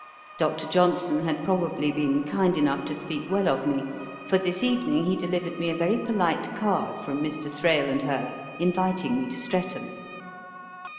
Dr. Johnson had probably been kind enough to speak well of me, for this evening he delivered me a very polite card from Mr. Thrale and her, inviting me to Streatham.